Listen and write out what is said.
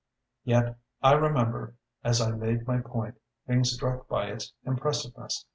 "Yet I remember, as I made my point, being struck by its impressiveness.